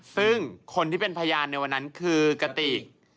ซึ่งคนที่เป็นพยานในวันนั้นคือกติก